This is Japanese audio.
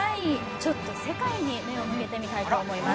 世界に目を向けてみたいと思います。